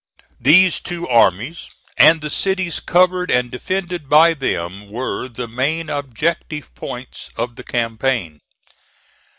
These two armies, and the cities covered and defended by them, were the main objective points of the campaign.